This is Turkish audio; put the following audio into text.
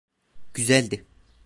Güzeldi.